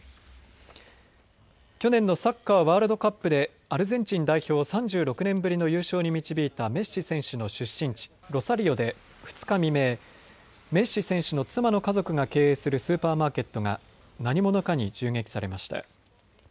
去年のサッカーワールドカップでアルゼンチン代表を３６年ぶりの優勝に導いたメッシ選手の出身地ロサリオで２日未明、メッシ選手の妻の家族が経営するスーパーマーケットが何者かに銃撃されました。